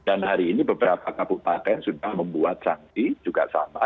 dan hari ini beberapa kabupaten sudah membuat sanksi juga sama